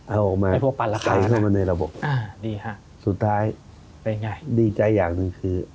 เอาออกมาไซม์เข้ามาในระบบสุดท้ายดีใจอย่างหนึ่งคือ